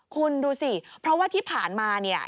คุณดูสิเพราะว่าที่ผ่านมาเนี่ย